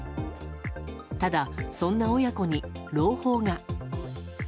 ただ、そんな親子に朗報が。